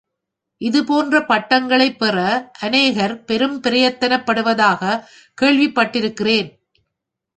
இது போன்ற பட்டங்களைப் பெற அநேகர் பெரும் பிரயத்தனப்படுவதாகக் கேள்விப்பட்டிருக்கிறேன்.